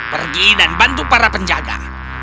pergi dan bantu para penjaga